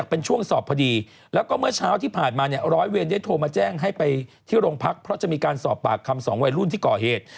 ก็ลงพักเพราะจะมีการสอบปากคำสองวัยรุ่นที่ก่อเหตุ